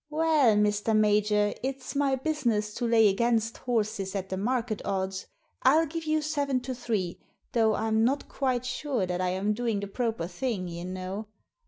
"Well, Mr. Major, it's my business to lay against horses at the market odds, ril give you seven to three, though I'm not quite sure that I am doing the proper thing, you know.